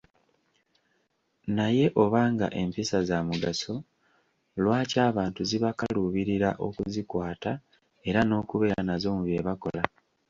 Naye obanga empisa za mugaso lwaki abantu zibakaluubirira okuzikwata era n'okubeera nazo mu bye bakola.